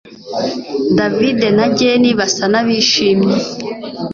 David na Jane basa nabishimye